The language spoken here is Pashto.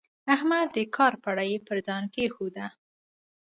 احمد د کار پړه پر ځان کېښوده.